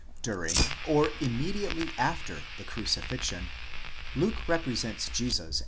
® During or immediately after the crucifixion Luke represents Jesus as 19.